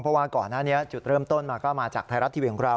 เพราะว่าก่อนหน้านี้จุดเริ่มต้นมาก็มาจากไทยรัฐทีวีของเรา